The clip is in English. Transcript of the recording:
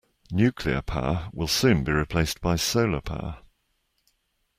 Nuclear power will soon be replaced by solar power.